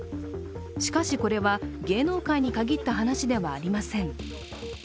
しかし、これは芸能界に限った話ではありません。